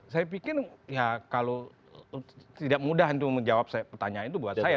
saya pikir ya kalau tidak mudah untuk menjawab pertanyaan itu buat saya